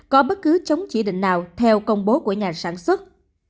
có bất cứ chống chỉ định nào theo công bố của nhà sản xuất